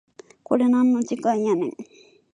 これなんの時間やねん